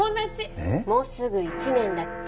もうすぐ１年だっけ？